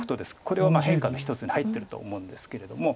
これは変化の一つに入ってると思うんですけれども。